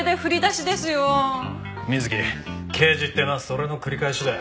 水木刑事ってのはそれの繰り返しだ。